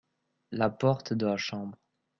La porte de la chambre.